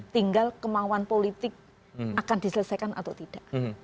tinggal kemauan politik akan diselesaikan atau tidak